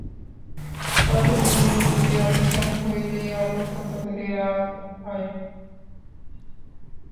কতকগুলি অনুভূতির অবসান হইলেই অপর কতকগুলি আরম্ভ হয়।